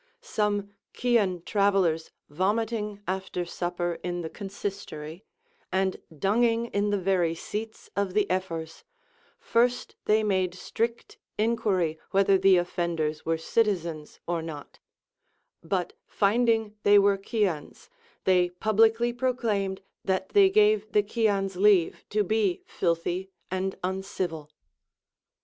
Some Chian travellers vomiting after supper in the consistory, and dunging in the very seats of the Ephors, first they made strict inquiry whether the offenders were citizens or not ; but finding they were Chians, they publicly proclaimed that they gave the Chians leave to be filthy and uncivil.